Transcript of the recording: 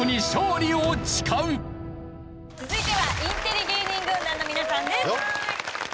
続いてはインテリ芸人軍団の皆さんです。